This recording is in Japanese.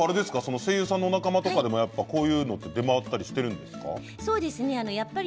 結構声優さんのお仲間とかでもこういうものが出回ったりしているんですか。